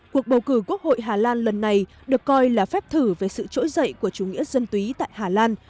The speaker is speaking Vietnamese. cuộc bầu cử quốc hội hà lan lần này được coi là phép thử về sự trỗi dậy của chủ nghĩa dân túy tại hà lan